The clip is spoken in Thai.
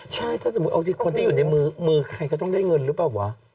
ใช่ถ้าสมมุติเอาจริงคนที่อยู่ในมือมือใครก็ต้องได้เงินหรือเปล่าวะ